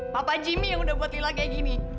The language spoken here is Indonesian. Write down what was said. papa jimmy yang udah buat lila kayak gini